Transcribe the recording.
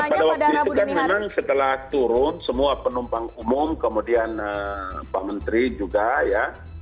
pada waktu itu kan memang setelah turun semua penumpang umum kemudian pak menteri juga ya